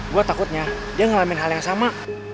gue takutnya dia ngalamin hal yang sama